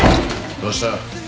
どうした。